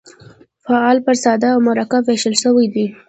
فعل پر ساده او مرکب وېشل سوی دئ.